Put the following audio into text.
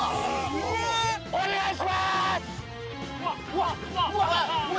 お願いします！